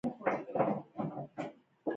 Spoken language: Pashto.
واوره د افغانستان د جغرافیایي موقیعت پایله ده.